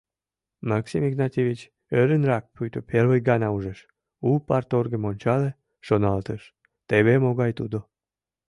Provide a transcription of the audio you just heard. Максим Игнатьевич ӧрынрак, пуйто первый гана ужеш, у парторгым ончале, шоналтыш: «Теве могай тудо...